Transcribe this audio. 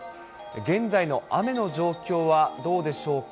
現在の雨の状況はどうでしょうか。